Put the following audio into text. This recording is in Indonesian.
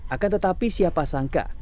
akan tetapi siapa sangka